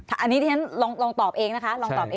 อันนี้ที่นั้นลองตอบเองนะคะ